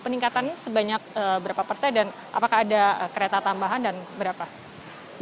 peningkatan sebanyak berapa persen dan apakah ada kereta tambahan dan berapa